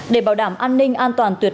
để bảo đảm an ninh an toàn tuyệt